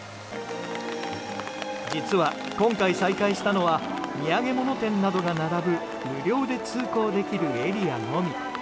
実は、今回再開したのは土産物店などが並ぶ無料で通行できるエリアのみ。